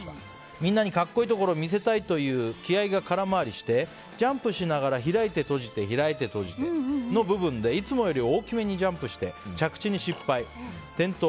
みんなに格好いいところを見せたいという気合が空回りしてジャンプしながら開いて閉じて開いて閉じての部分でいつもより大きめにジャンプして着地に失敗、転倒。